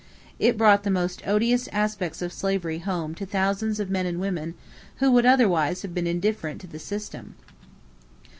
It brought the most odious aspects of slavery home to thousands of men and women who would otherwise have been indifferent to the system.